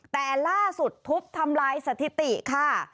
แต่ล่าสุดทุบทำลายสถิติค่ะ